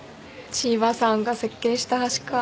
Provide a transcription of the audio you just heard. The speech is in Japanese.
千葉さんが設計した橋か。